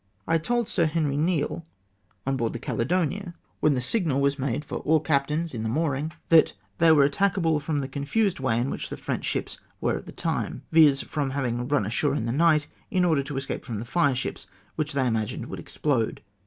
I told Sir Henry Neale, on board the Caledonia, when the signal was made for all cap DISPOSED OF BY CAPTAIN BROUGHTON. 411 tains in the mooring, that 'they were attackable from the confused ivay hi ivhlch the French ships rvere at the time;'' viz. from having run ashore in the night, in order to escape from the fire ships, which they imagined woukl expk)de.